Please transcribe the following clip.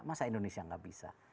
masa indonesia nggak bisa